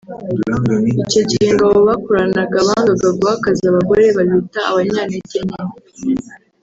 Icyo gihe ngo abo bakoranaga bangaga guha akazi abagore babita abanyantege nke